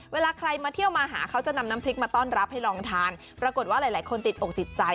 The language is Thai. เวลาใครมาเที่ยวมาหาเขาจะนำน้ำพริกมาต้อนรับให้ลองทานปรากฏว่าหลายคนติดอกติดใจ